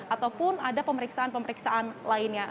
ataupun ada pemeriksaan pemeriksaan lainnya